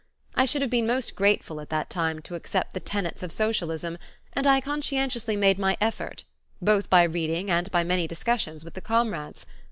I should have been most grateful at that time to accept the tenets of socialism, and I conscientiously made my effort, both by reading and by many discussions with the comrades.